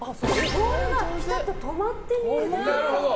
ボールがピタッと止まって見える。